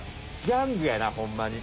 ギャングやなホンマに。